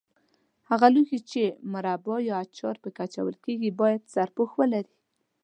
هغه لوښي چې مربا یا اچار په کې اچول کېږي باید سرپوښ ولري.